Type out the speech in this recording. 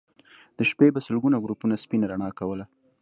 د شپې به سلګونو ګروپونو سپينه رڼا کوله